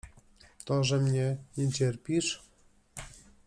To, że mnie nie cierpisz?